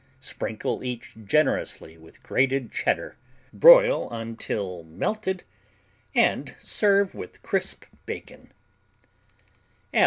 Sprinkle each generously with grated Cheddar, broil until melted and serve with crisp bacon.